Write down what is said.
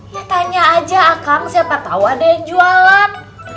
ya tanya aja akan siapa tau ada yang jualan